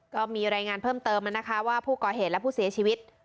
ก็มีรายงานเพิ่มเติมนะคะว่าผู้ก่อเหตุและผู้เสียชีวิต